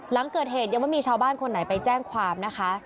หลังเกิดเหตุยังไม่มีชาวบ้านคนไหนไปแจ้งความนะคะ